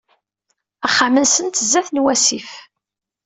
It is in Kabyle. Axxam-nsent sdat n wasif.